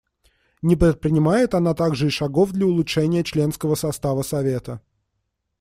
Не предпринимает она также и шагов для улучшения членского состава Совета.